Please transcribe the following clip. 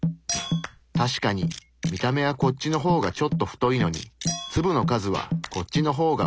確かに見た目はこっちの方がちょっと太いのに粒の数はこっちの方が多い。